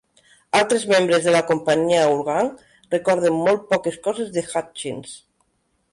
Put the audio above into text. Altres membres de la companyia "Our Gang" recorden molt poques coses de Hutchins.